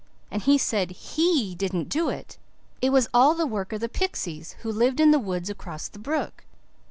And he said HE didn't do it it was all the work of the pixies who lived in the woods across the brook.